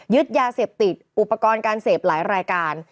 ยาเสพติดอุปกรณ์การเสพหลายรายการ